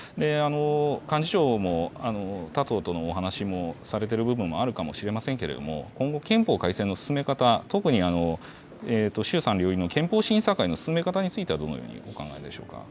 幹事長も他党とのお話もされている部分もあるかもしれませんけれども、今後、憲法改正の進め方、特に衆参両院の憲法審査会の進め方については、どのようにお考えでしょうか。